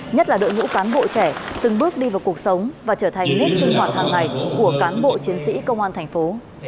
nhất là đội ngũ cán bộ trẻ từng bước đi vào cuộc sống và trở thành nếp sinh hoạt hàng ngày của cán bộ chiến sĩ công an thành phố